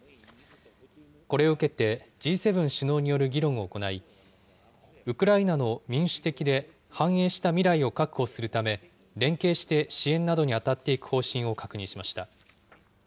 これを受けて、Ｇ７首脳による議論を行い、ウクライナの民主的で繁栄した未来を確保するため、連携して支援などに当たっていく方針を確認しました。